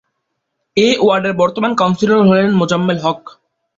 এ ওয়ার্ডের বর্তমান কাউন্সিলর হলেন মোজাম্মেল হক।